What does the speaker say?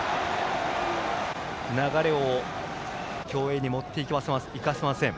流れを共栄に持っていかせません。